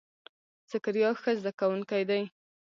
ذکریا ښه زده کونکی دی.